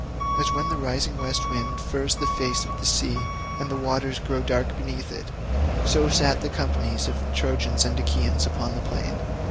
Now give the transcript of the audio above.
As when the rising west wind furs the face of the sea and the waters grow dark beneath it, so sat the companies of Trojans and Achaeans upon the plain.